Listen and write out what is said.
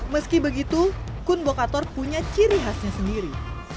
meski begitu kun bokator punya ciri khasnya sendiri